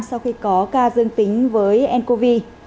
sau khi có ca dương tính với ncov